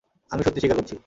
আমি সত্যি স্বীকার করছি।